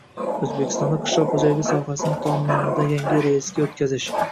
– O‘zbekistonda qishloq xo‘jaligi sohasini tom ma’noda yangi relsga o‘tkazish